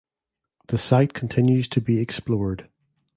The site continues to be explored.